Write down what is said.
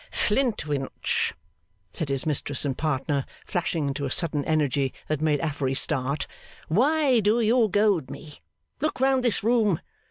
'Flintwinch,' said his mistress and partner, flashing into a sudden energy that made Affery start, 'why do you goad me? Look round this room.